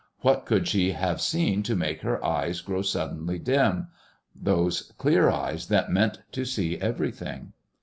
What could she have seen to make her eyes grow suddenly dim, those clear eyes that meant to see everything?